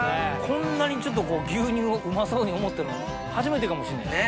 こんなにちょっとこう牛乳をうまそうに思ったの初めてかもしれないです。